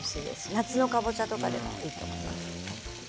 夏のかぼちゃとかでもいいです。